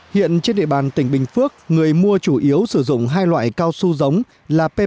hiện trên địa bàn tỉnh bình phước người mua chủ yếu sử dụng hai loại cao su giống là pin